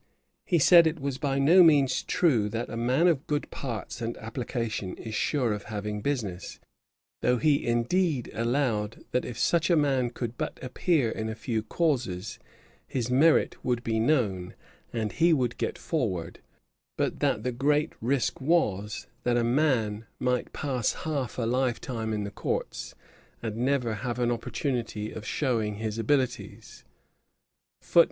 He said, it was by no means true that a man of good parts and application is sure of having business, though he, indeed, allowed that if such a man could but appear in a few causes, his merit would be known, and he would get forward; but that the great risk was, that a man might pass half a life time in the Courts, and never have an opportunity of shewing his abilities.'